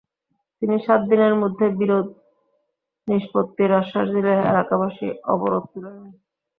তিনি সাত দিনের মধ্যে বিরোধ নিষ্পত্তির আশ্বাস দিলে এলাকাবাসী অবরোধ তুলে নেন।